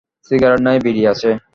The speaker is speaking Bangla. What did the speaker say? সিগারেট নাই, বিড়ি আছে।